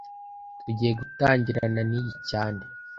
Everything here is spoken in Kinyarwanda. Tugiye gutangirana niyi cyane